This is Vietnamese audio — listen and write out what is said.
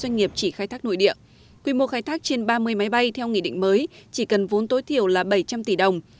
nội địa quy mô khai thác trên ba mươi máy bay theo nghị định mới chỉ cần vốn tối thiểu là bảy trăm linh tỷ đồng